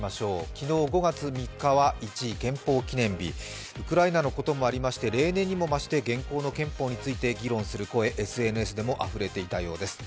昨日５月３日は、１位、憲法記念日、ウクライナのこともありまして例年にも増して現行の憲法について議論する声、ＳＮＳでもあふれていたようです。